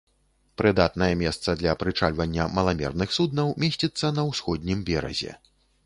Прыдатнае месца для прычальвання маламерных суднаў месціцца на усходнім беразе.